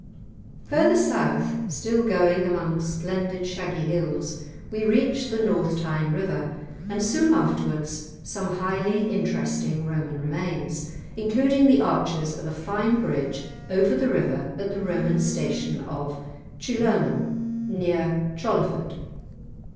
Further south, still going among splendid shaggy hills, we reach the North Tyne River, and soon afterwards some highly interesting Roman remains, including the arches of a fine bridge over the river at the Roman Station of Cilurnum, near Chollerford.